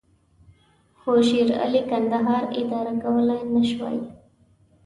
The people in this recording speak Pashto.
خو شېرعلي کندهار اداره کولای نه شوای.